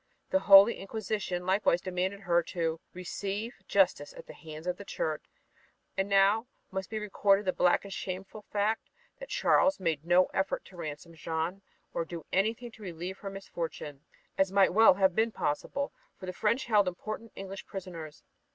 The Holy Inquisition likewise demanded her "to receive justice at the hands of the Church." And now must be recorded the black and shameful fact that Charles made no effort to ransom Jeanne or do anything to relieve her misfortune, as might well have been possible, for the French held important English prisoners.